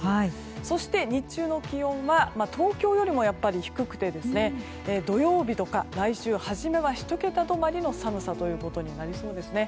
そして、日中の気温は東京よりも低くて土曜日とか来週初めは１桁止まりの寒さということになりそうですね。